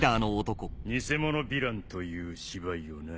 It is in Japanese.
偽物ヴィランという芝居をな。